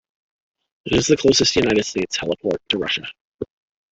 It is the closest United States heliport to Russia.